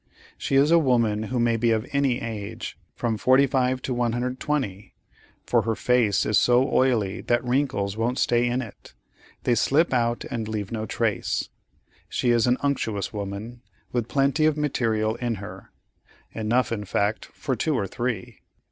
She is a woman who may be of any age from 45 to 120, for her face is so oily that wrinkles won't stay in it; they slip out and leave no trace. She is an unctuous woman, with plenty of material in her—enough, in fact, for two or three.